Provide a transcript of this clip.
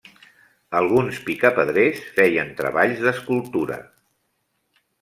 Alguns picapedrers feien treballs d'escultura.